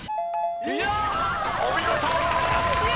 ［お見事！］